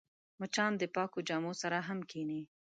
مچان د پاکو جامو سره هم کښېني